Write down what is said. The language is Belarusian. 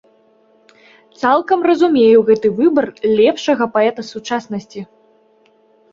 Цалкам разумею гэты выбар лепшага паэта сучаснасці.